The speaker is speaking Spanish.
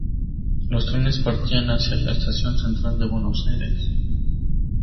Los trenes partían hacia la estación Central de Buenos Aires.